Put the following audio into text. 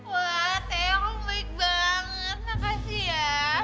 wah theo kamu baik banget makasih ya